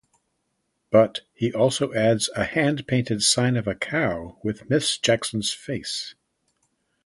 But he also adds a hand-painted sign of a cow with Miss Jackson's face.